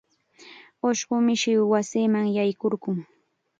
Ushqu mishi wasima yaykurqun.